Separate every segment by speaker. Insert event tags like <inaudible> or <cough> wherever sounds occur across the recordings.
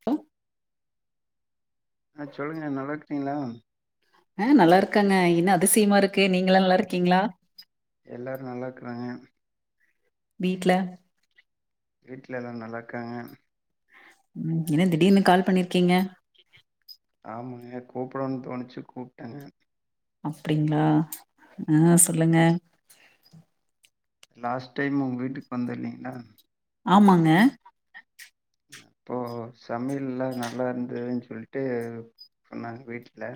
Speaker 1: க்கா
Speaker 2: அ சொல்லுங்க நடக்குறீங்களா
Speaker 1: ஆ நல்லா இருக்கண்ணே அதிசயமா இருக்கு நீங்களா நல்லா இருக்கீங்களா
Speaker 2: எல்லாரு நல்லா இருக்குறாங்க
Speaker 1: வீட்ல
Speaker 2: வீட்ல எல்லா நல்லா இருக்காங்க
Speaker 1: உம் என்ன திடீர்னு கால் பண்ணிருக்கீங்க
Speaker 2: ஆமாங்க கூப்புடனுனு தோணிச்சு கூப்ட்டாங்க
Speaker 1: அப்டிங்களா ஆ சொல்லுங்க
Speaker 2: லாஸ்ட் டைம் உங்க வீட்டுக்கு வந்தென்லீங்ளா
Speaker 1: ஆமாங்க
Speaker 2: அப்போ சமையல்லா நல்லா இருந்ததுன்னு சொல்லிட்டு சொன்னாங்க வீட்டுல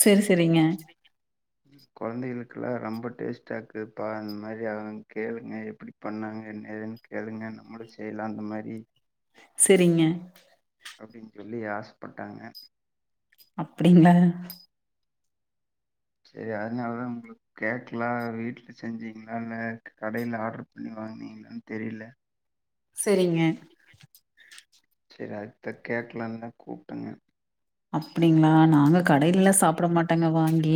Speaker 1: செரி செரிங்க
Speaker 2: குழந்தைகளுக்கெல்லா ரொம்ப டேஸ்டாக்குப்பா அந்த மாரி அவுங்க கேளுங்க எப்டி பண்ணாங்க என்ன ஏதுன்னு கேளுங்க நம்மளு செய்யலா அந்த மாரி
Speaker 1: செரிங்க
Speaker 2: அப்டின் சொல்லி ஆசைப்பட்டாங்க
Speaker 1: அப்டிங்ளா
Speaker 2: செரி அதுனாலதா உங்களுக்கு கேக்கலா வீட்ல செஞ்சீங்களா இல்ல கடையில ஆர்டரு பண்ணி வாங்கனீங்களான்னு தெரில
Speaker 1: செரிங்க
Speaker 2: சரி அதத்தா கேக்கலாம்னுதா கூப்ட்டங்க
Speaker 1: அப்டிங்களா நாங்க கடைலல்லா சாப்ட மாட்டங்க வாங்கி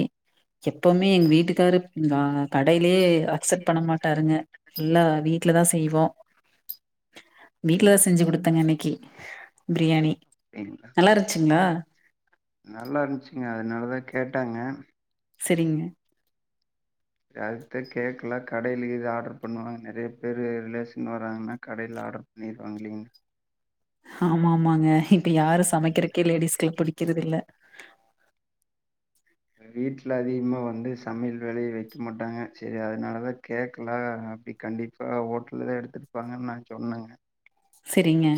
Speaker 1: எப்பவுமே எங்க வீட்டுக்காரு வா கடையிலயே அக்செப்ட் பண்ண மாட்டாருங்க எல்லா வீ வீட்லதா செய்வோம் வீட்டுலதா செஞ்சு குடுத்தங்க இன்னைக்கி பிரியாணி
Speaker 2: இல்ல
Speaker 1: நல்லா இருந்துச்சுங்களா
Speaker 2: நல்லா இருந்துச்சுங்க அதனாலதா கேட்டங்க
Speaker 1: சரிங்க
Speaker 2: அடுத்த கேக்லாம் கடைலியே இது ஆர்டர் பண்ணுவாங்க நெறைய பேரு ரிலேஷன் வராங்கன்னா கடைல ஆர்டர் பண்ணிருவாங்க இல்லிங்க
Speaker 1: ஆமா ஆமாங்க இப்ப யாரு சமைக்கிறக்கே லேடிஸ்க்லா புடிக்கிறதுல்ல
Speaker 2: வீட்ல அதிகமா வந்து சமையல் வேலையே வெக்க மாட்டாங்க சேரி அதனாலதா கேக்கலாம் அப்டி கண்டிப்பா ஹோட்டல்ல தா எடுத்துருப்பாங்கன்னு நா சொன்னங்க
Speaker 1: சரிங்க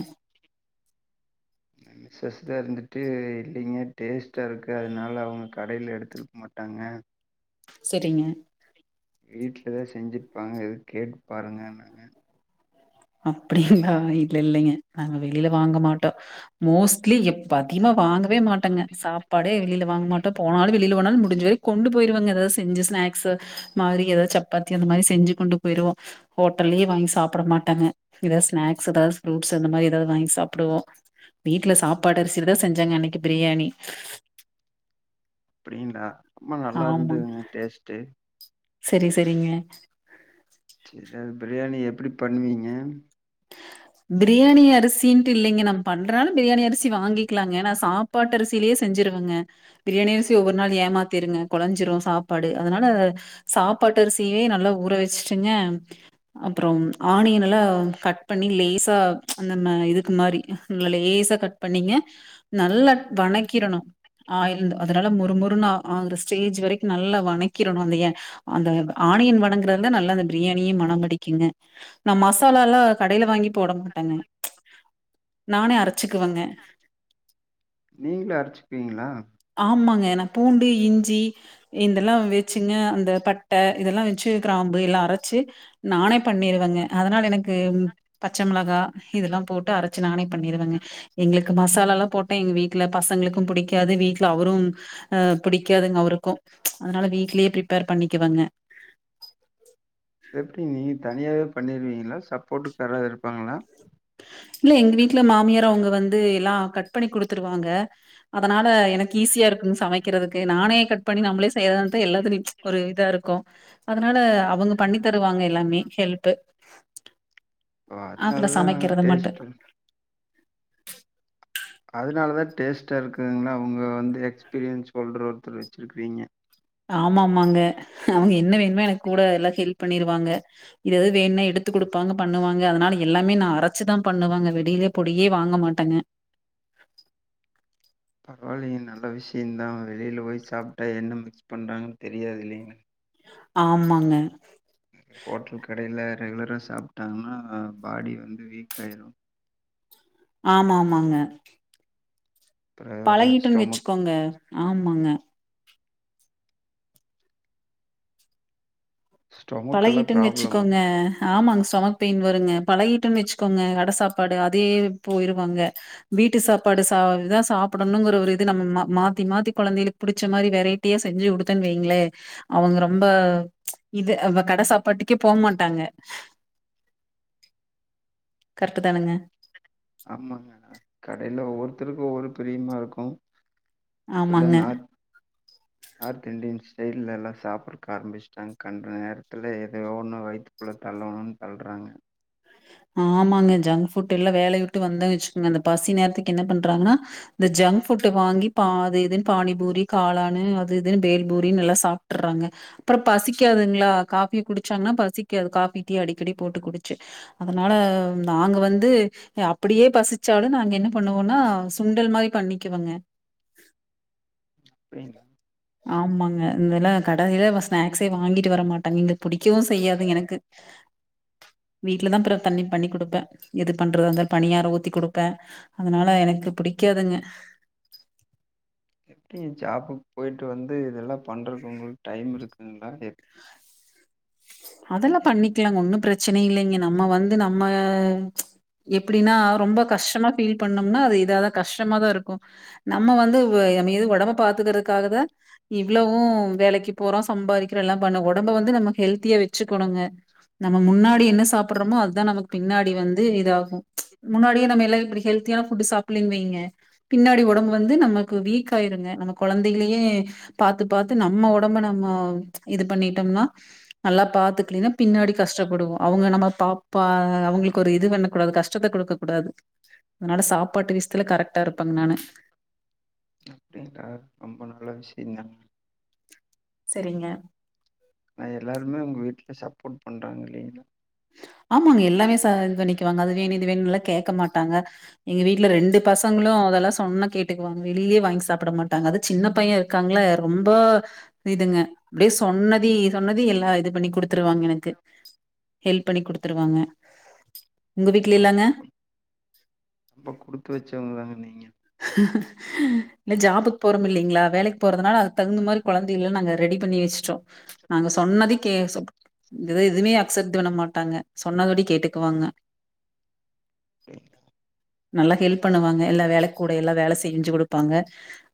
Speaker 2: மிசஸ் தான் இருந்துட்டு இல்லிங்க டேஸ்ட்டா இருக்கு அதனால அவுங்க கடைல எடுத்துருக்க மாட்டாங்க
Speaker 1: சரிங்க
Speaker 2: வீட்லதா செஞ்சிருப்பாங்க எதும் கேட்டுப் பாருங்கனாங்க
Speaker 1: அப்டிங்களா இல்ல இல்லைங்க நாங்க வெளில வாங்க மாட்டோம் மோஸ்ட்லி எப்ப அதிகமா வாங்க வே மாட்டேங்க சாப்பாடே வெளியில வாங்க மாட்டோம் போனாலும் வெளியில போனாலும் மு முடிஞ்ச வரைக் கொண்டு போயிருவங்க ஏதாவது செஞ்சு ஸ்நாக்ஸு மாதிரி ஏதாது சப்பாத்தி அந்த மாரி செஞ்சு கொண்டு போயிருவோம் ஹோட்டல்லயே வாங்கி சாப்ட மாட்டங்க ஏதாவது ஸ்நாக்ஸ் ஏதாவது ஃப்ரூட்ஸ் அந்த மாதிரி ஏதாவது வாங்கி சாப்டுவோம் வீட்ல சாப்பாட்டு அரிசில தா செஞ்சங்க அன்னைக்கு பிரியாணி
Speaker 2: அப்டிங்களா ஆமாங்க நல்லா
Speaker 1: ஆமாங்க.
Speaker 2: இருந்துதுங்க டேஸ்ட்டு
Speaker 1: சரி சரிங்க
Speaker 2: சரி பிரியாணி எப்டி பண்ணுவீங்க
Speaker 1: பிரியாணி அரிசின்ட்டு இல்லைங்க நம்ம பண்றனாலு பிரியாணி அரிசி வாங்கிக்கலாங்க நா சாப்பாட்டு அரிசிலயே செஞ்சிருவங்க பிரியாணி அரிசி ஒவ்வொரு நாள் ஏமாத்திருங்க கொழஞ்சிரும் சாப்பாடு அதனால சாப்பாட்டு அரிசியே நல்லா ஊற வச்சுட்டுங்க அப்றோ ஆணியன் எல்லா கட் பண் பண்ணி லேசா அந்த அ இதுக்கு மாதிரி லேசா கட் பண்ணிங்க நல்லா வணக்கிறணு ஆயில் அது நல்லா மொறுமொறுன்னு ஆ ஆகுற ஸ்டேஜ் வரைக்கும் நல்லா வணக்கிறணு அந்த எ அந்த ஆனியன் வணங்குறதுல தா நல்ல அந்த பிரியாணியே மன பிடிக்குங்க நா மசாலாலா கடையில வாங்கி போட மாட்டங்க நானே அரச்சுக்குவங்க
Speaker 2: நீங்களே அரச்சுப்பிங்களா
Speaker 1: ஆமாங்க. பூண்டு இஞ்சி இதெல்லா வெச்சுங்க அந்த பட்ட இதெல்லா வெச்சு கிராம்பு எல்லா அரச்சு நானே பண்ணிருவேங்க அதனால எனக்கு பச்ச மிளகா இதெல்லா போட்டு அரைச்சு நானே பண்ணிருவங்க எங்களுக்கு மசாலாலா போட்டா எங்க வீட்ல பசங்களுக்கு புடிக்காது வீட்ல அவரும் அ புடிக்காதுங்க அவருக்கும் அதனால வீட்லே பிரிப்பேர் பண்ணிக்குவங்க
Speaker 2: எப்டி நீங்க தனியாவே பண்ணிருவீங்களா சப்போட்டுக்காராது இருப்பாங்களா
Speaker 1: இல்ல எங்க வீட்ல மாமியாரு அவுங்க வந்து எல்லாம் கட் பண்ணி குடுத்துருவாங்க அதனால எனக்கு ஈஸியா இருக்குங்க சமைக்கிறதுக்கு நானே கட் பண்ணி நம்மளே செய்றதா இருந்தா எல்லாத்துலியு ஒரு இதா இருக்கும் அதனால அவுங்க பண்ணி தருவாங்க எல்லாமே ஹெல்ப்பு
Speaker 2: ஓ
Speaker 1: ஆ நம்ப
Speaker 2: அதனாலதா
Speaker 1: சமைக்கிறத மட்டு
Speaker 2: டேஸ்ட்டு அதனாலதா டேஸ்ட்டா இருக்குங்களா உங்க வந்து எக்ஸ்பீரியன்ஸ் சொல்ற ஒருத்தரு வச்சிருக்குறீங்க
Speaker 1: ஆமா ஆமாங்க அவுங்க என்ன வேணுமோ எனக்கு கூட எல்லா ஹெல்ப் பண்ணிருவாங்க இது இது வேணுன்னு எடுத்து குடுப்பாங்க பண்ணுவாங்க அதனால எல்லாமே நா அரைச்சுதா பண்ணுவங்க வெளியில பொடியே வாங்க மாட்டங்க
Speaker 2: பரவால்லிங்க நல்ல விஷ்யோதா வெளியில போய் சாப்ட்டா என்ன மிக்ஸ் பண்றாங்கன்னு தெரியாது இல்லிங்க
Speaker 1: ஆமாங்க
Speaker 2: ஹோட்டல் கடையில ரெகுலரா சாப்ட்டாங்கன்னா பாடி வந்து வீக் ஆயிடும்
Speaker 1: ஆமா ஆமாங்க
Speaker 2: அப்றோ
Speaker 1: பழகிட்டுன்னு
Speaker 2: ஸ்டொமக்
Speaker 1: வெச்சுக்கோங்க ஆமாங்க
Speaker 2: ஸ்டொமக்கெல்லா
Speaker 1: பழகிட்டுன்னு
Speaker 2: ப்ராப்ளம் வரு
Speaker 1: வெச்சுக்கோங்க ஆமாங்க ஸ்டொமக் பெயின் வருங்க பழகிட்டுன்னு வெச்சுக்கோங்க கட சாப்பாடு அதே போயிருவாங்க வீட்டு சாப்பாடு சா இதான் சாப்புடணுங்கிற ஒரு இது நம்ம மாத்தி மாத்தி கொழந்தைகளுக்கு புடிச்ச மாரி வெரைட்டியா செஞ்சு குடுத்தன்னு வைங்களே அவங்க ரொம்ப இது அ கட சாப் பாட்டுக்கே போ மாட்டாங்க கரெட்டு தானுங்க
Speaker 2: ஆமாங்க கடையில ஒவ்வொருத்தருக்கும் ஒவ்வொரு பிரியமா இருக்கும் இப்பதா
Speaker 1: ஆமாங்க
Speaker 2: நார்த் நார்த் இண்டியன் ஸ்டைல்லலா சாப்புட்றக்கு ஆரம்பிச்சிட்டாங்க கண்ட நேரத்துல ஏதோ ஒண்ணு வயிற்றுக்குள்ள தள்ளணுன்னு தள்றாங்க
Speaker 1: ஆமாங்க ஜங்க் ஃபுட் எல்லாம் வேலைய விட்டு வந்த வெச்சுக்குங்க அந்த பசி நேரத்துக்கு என்ன பண்றாங்கன்னா இந்த ஜங்க் ஃபுட்டு வாங்கி பாதி எதுன்னு பானி பூரி காளானு அது இதுன்னு பேல் பூரின்னு எல்லா சாப்டுறாங்க அப்புறம் பசிக்காதுங்களா காஃபி குடிச்சாங்கன்னா பசிக்காது காஃபி டீ அடிக்கடி போட்டு குடிச்சு அதனால நாங்க வந்து அப்படியே பசிச்சாலும் நாங்க என்ன பண்ணுவோம்னா சுண்டல் மாதிரி பண்ணிக்குவங்க
Speaker 2: <unintelligible>
Speaker 1: ஆமாங்க இந்தெல்லாம் கடைசில ஸ்நாக்ஸே வாங்கிட்டு வர மாட்டாங்க இங்க பிடிக்கவும் செய்யாது எனக்கு விட் வீட்ல தான் பற பண்ணி பண்ணி குடுப்பேன் எது பண்றது வந்தால பணியார ஊத்தி குடுப்பேன் அதனால எனக்கு புடிக்காதுங்க.
Speaker 2: எப்படி ஜாப்புக்கு போயிட்டு வந்து இதெல்லாம் பண்றக்கு உங்ளுக்கு டைம் இருக்குதுங்களா எப்
Speaker 1: அதெல்லாம் பண்ணிக்கலாங்க ஒன்னும் பிரச்சன இல்லைங்க நம்ம வந்து நம்ம எப்படின்னா ரொம்ப கஷ்டமா ஃபீல் பண்ணோம்னா அது இதாவது கஷ்டமாதான் இருக்கும் நம்ம வந்து நம ஏது ஒடம்ப பாத்துக்கிறதுக்காகதான் இவ்வளவும் வேலைக்கு போறோம் சம்பாதிக்கிறோம் எல்லாம் பண்ண ஒடம்ப வந்து நமக்கு ஹெல்த்தியா வ வெச்சுக்கண்ணுங்க நம்ம முன்னாடி என்ன சாப்பிடுறோமோ அதுதான் நமக்கு பின்னாடி வந்து இதாகும் முன்னாடியே நம்ம எல்லாம் இப்படி ஹெல்த்தியான ஃபுட் சாப்பிடலு வையுங்க பின்னாடி ஒடம்பு வந்து நமக்கு வீக் ஆயிருங்க நம்ம கொழந்தைகளே பாத்து பாத்து நம்ம ஒடம்பு நம்ம இது பண்ணிட்டோம்னா நல்லா பாத்துக்கலீன்னா பின்னாடி கஷ்டப்படுவோம் அவங்க நம்ம பாப்பா அவங்களுக்கு ஒரு இது பண்ண கூடாது கஷ்டத்த குடுக்க கூடாது அதனால சாப்பாட்டு விசத்துல கரெக்ட்டா இருப்பாங்க நானு.
Speaker 2: அப்டிங்களா ரொம்ப நல்ல விஷயங்க
Speaker 1: சரிங்க.
Speaker 2: ந எல்லாருமே உங்க வீட்டுல சப்போர்ட் பண்றாங்க இல்லைங்களா
Speaker 1: ஆமாங்க எல்லாமே ச இது பண்ணிக்குவாங்க அது வேணும் இது வேணும் எல்லாம் கேட்க மாட்டாங்க எங்க வீட்டுல ரெண்டு பசங்களும் அதெல்லாம் சொன்ன கேட்டுக்குவாங்க வெளியயே வாங்கி சாப்பிட மாட்டாங்க அது சின்ன பையன் இருக்காங்கள ரொம்ப இதுங்க அப்படியே சொன்னத சொன்னத எல்லாம் இது பண்ணி குடுத்துருவாங்க எனக்கு ஹெல்ப் பண்ணி குடுத்துருவாங்க. உங்க வீட்டுல இல்லாங்க
Speaker 2: பரவால்லைங்க குடுத்து வெச்சவங்கதாங்க நீங்க.
Speaker 1: இல்ல ஜாபக்கு போறோம் இல்லைங்களா வேலைக்கு போறதுனால அது தகுந்த மாதிரி குழந்தைகள்ல்லாம் நாங்க ரெடி பண்ணி வெச்சட்டோம் நாங்க சொன்னதே கே எதுவுமே அக்சப்ட் பண்ண மாட்டாங்க சொன்னபடி கேட்டுக்குவாங்க.
Speaker 2: <unintelligible>
Speaker 1: நல்லா ஹெல்ப் பண்ணுவாங்க எல்ல வேலைக் கூட எல்லாம் வேல செஞ்சு குடுப்பாங்க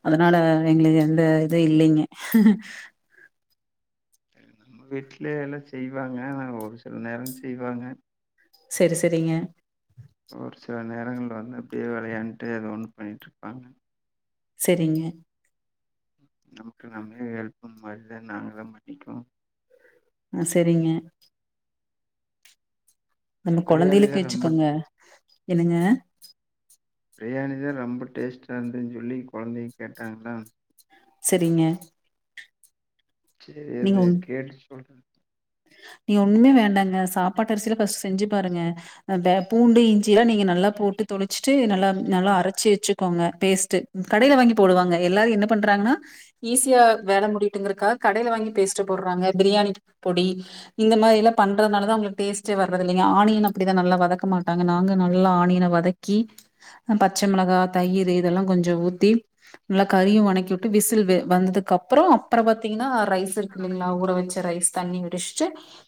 Speaker 1: அதனால எங்களுக்கு எந்த இது இல்லைங்க.
Speaker 2: வீட்லய எல்லாம் செய்வாங்க ஆன ஒரு சில நேரம் செய்வாங்க
Speaker 1: செரி செரிங்க.
Speaker 2: ஒரு சில நேர இடங்களல வந்து அப்படியே விளையாண்டுட்டு அது ஒன்னு பண்ணிட்டு இருப்பாங்
Speaker 1: செரிங்க.
Speaker 2: நமக்கு நாமலே ஹெல்ப் மரித நம்மளே பண்ணிக்கணும்.
Speaker 1: ஆ செரிங்க. நம்ம
Speaker 2: பிரியாணி தா
Speaker 1: கொழந்தைளுக்கு
Speaker 2: ரொம்ப
Speaker 1: வச்சுக்கோங்க என்னங்க.
Speaker 2: பிரியாணி த ரம்ப டேஸ்ட்டாந்து சொல்லி கொழந்தை கேட்டாங்களா
Speaker 1: சரிங்க.
Speaker 2: செரி கேட்டு சொல்
Speaker 1: நீ ஒண்ணுமே வேண்டாங்க சாப்பாட்டு அரிசியில ஃபர்ஸ்ட் செஞ்சு பாருங்க <unintelligible> பூண்டு இஞ்சிலா நீங்க நல்லா போட்டு தொலுச்சிட்டு டூ நல்லா நல்லா அரச்சு வெச்சுக்கோங்க பேஸ்ட் கடையில வாங்கி போடுவங்க எல்லாரு என்ன பண்ண ட்றாங்கன்னா ஈஸியா வேல முடியிட்டுங்கறக்கா கடையில வாங்கி பேஸ்ட்டு போட்றாங்க பிரியாணிக் பொடி இந்த மாரி எல்லா பண்றதுனால தா உங்குளுக் டேஸ்ட்டே வர்றது இல்லைங்க ஆனியன் அப்டிதா நல்லா வதக்க மாட்டாங்க நாங்க நல்லா ஆனியன வதக்கி பச்ச மிளகா தயிரு இதெல்லா கொஞ்சோ ஊத்தி நல்லா கறியு வணக்கி விட்டு விசில் வெ வந்ததுக்கப்புறோ அப்புறோ பாத்திகன்னா ரைஸ் இருக்கு இல்லைங்ளா ஊற வெச்ச ரைஸ் தண்ணி வடிச்ட்டு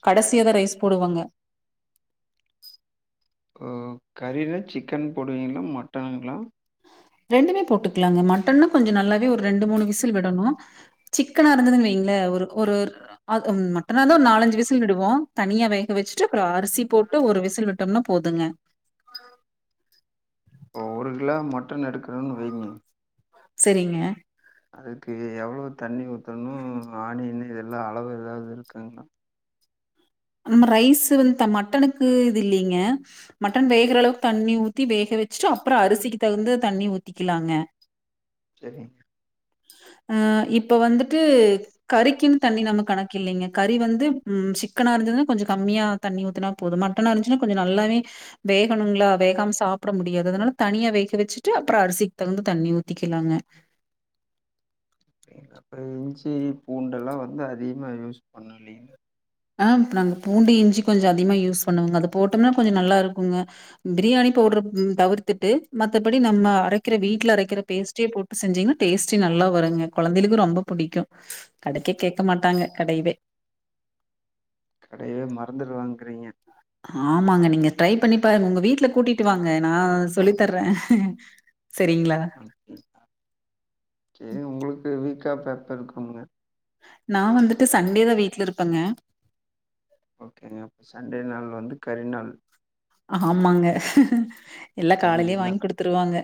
Speaker 1: கடசியாதா ரைஸ் போடுவாங்க
Speaker 2: உ கறினா சிக்கன் போடுவீங்ளா மட்டனுங்ளா
Speaker 1: ரெண்டுமே போட்டுக்லாங்க மட்டன்னு கொஞ்சு நல்லாவே ஒர் ரெண்டு மூணு விசில் விடணு சிக்கனா இருந்ததுன் வெய்ங்ளே ஒரு ஒருர் அது ம் மட்டனாந்தா ஒரு நாலஞ்சு விசில் விடுவோ தனியா வேக வெச்சிட்டு அப்பறோ அரிசி போட்டு ஒரு விசில் விட்டம்னா போதுங்க
Speaker 2: இப்போ ஒரு கிலா மட்டன் எடுக்கறன்னு வெய்ங்க
Speaker 1: செரிங்க
Speaker 2: அதுக்கு எவ்ளோ தண்ணி ஊத்தணு ஆனியன்னு இதெல்லா அளவு எதாவது இருக்குங்ளா
Speaker 1: அன்ன ரைஸு வந் த மட்டனுக்கு இது இல்லீங்க மட் டன் வேகுறளவுக் தண்ணி ஊத் த்தி வேக வெச்சிட்டு அப்பறோ அரிசிக்கு தகுந்த தண்ணி ஊத்திக்கிலாங்க
Speaker 2: செரிங்
Speaker 1: அ இப் இப்ப வந்துட்டு கறிக்கின்னு தண்ணி நமக் கணக் இல்லீங்க கறி வந்து ம் சிக் க்கனா இருந்துதுன்னா கொஞ்சோ கம்மியா தண்ணி ஊத்துனா போது மட்டனா இருந்ச்னா கொஞ்சோ நல்லாவே வே கணுங்ளா வேகாம் சா ப்ட முடியாது அதனால தனியா வேக வெச்சிட்டு அப்பறோ அரிசிக் தகுந்த தண்ணி ஊத்திக்கிலாங்க
Speaker 2: அப்டிங்களா அப்ப இஞ்சி பூண்டெல்லா வந்து அதிகமா யூஸ் பண்ணு இல்லீங்ளா
Speaker 1: ஆ ம்ப் நாங்க பூண்டு இஞ்சி கொஞ்சோ அதிகமா யூஸ் பண்ணுவங்க அத போட்டம்னா கொஞ்சோ நல்லா இருக்குங்க பிரியாணி பவுடர் தவிர்த்துட்டு மத்தபடி நம்ம அரைக்கிற வீட்ல அரைக்கிற பேஸ்டியே போட்டு செஞ்சீங்னா டேஸ்டி நல்லா வருங்க கொழந்தைளுக்கு ரொம்ப புடிக்கு கடைக்கே கேக்க மாட்டாங்க கடயிதே
Speaker 2: கடையவே மறந்துருவாங்கிறீங்க
Speaker 1: ஆமாங்க நீங்க ட்ரை பண்ணி பாருங் உங்க வீட்ல கூட்டிட்டு வாங்க நா சொல்லி தர்றே
Speaker 2: <inaudible> சேரி உங்ளுக்கு வீக் <unintelligible> எப்ப இருக்குமுங்க
Speaker 1: நா வந்துட்டு சண்டேதா வீட்ல இருப்பங்க
Speaker 2: ஓகேங்க அப்ப சண்டே நாள் வந்து கறி நாள்
Speaker 1: ஆமாங்க எல்லா
Speaker 2: கறி
Speaker 1: காலைலியே
Speaker 2: இல்லா
Speaker 1: வாங் குடுத்துருவாங்க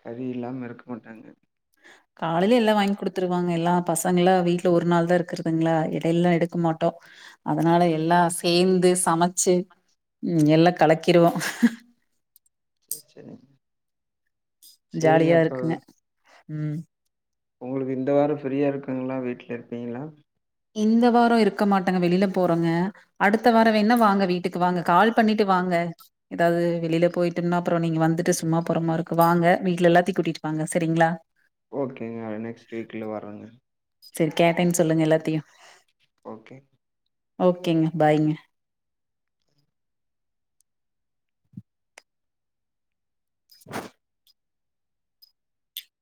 Speaker 2: கறி இல்லாம இருக்க மாட்டாங்க
Speaker 1: காலைல எல்லா வாங் குடுத்துருவாங்க எல்லா பசங்கள்லா வீட்ல ஒரு நாள் தா இருக்கறதுங்ளா எடைல்லா எடுக்க மாட்டோ அதனால எல்லா சேந்து சமைச்சி ம் எல்லா கலக்கிருவோ
Speaker 2: சேரிங்
Speaker 1: ஜாலியா இருக்குங்க ம்
Speaker 2: உங்ளுக்கு இந்த வாரோ ஃப்ரீயா இருக்குங்ளா வீட்ல இருப்பீங்ளா
Speaker 1: இந்த வாரோ இருக்க மாட்டங்க வெளில போறோங்க அடுத்த வாரோ வேண்ணா வாங்க வீட்டுக்கு வாங்க கால் பண்ணீட்டு வாங்க ஏதாது வெளில போய்டெம்னா அப்பறோ நீங்க வந்துட்டு சும்மா போற மாரி இருக்கு வாங்க வீட்ல எல்லாத்தயு கூட்டிட்டு வாங்க செரிங்களா
Speaker 2: ஓகேங்க நெக்ஸ்ட் வீக்ல வர்றங்க
Speaker 1: செரி கேட்டேன்னு சொல்லுங்க எல்லாத்தையு
Speaker 2: ஓகே
Speaker 1: ஓகேங்க பாய்ங்க